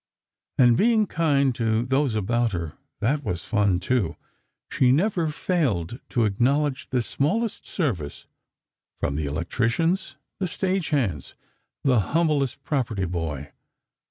And being kind to those about her—that was fun, too. She never failed to acknowledge the smallest service—from the electricians, the stage hands, the humblest property boy.